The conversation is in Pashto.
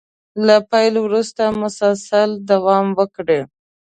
له پيل وروسته مسلسل دوام وکړي.